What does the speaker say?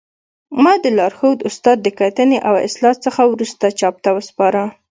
ما د لارښود استاد د کتنې او اصلاح څخه وروسته چاپ ته وسپاره